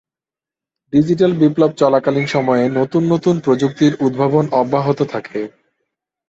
Digital বিপ্লব চলাকালীন সময়ে নতুন নতুন প্রযুক্তির উদ্ভাবন অব্যাহত থাকে।